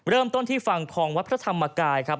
เริ่มต้นที่ฝั่งของวัดพระธรรมกายครับ